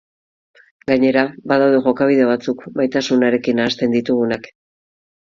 Gainera, badaude jokabide batzuk maitasunarekin nahasten ditugunak.